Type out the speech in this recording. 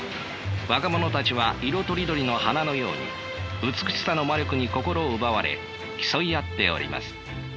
若者たちは色とりどりの花のように美しさの魔力に心奪われ競い合っております。